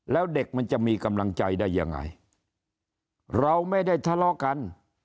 แล้วเด็กมันจะมีกำลังใจได้ยังไงเราไม่ได้ทะเลาะกัน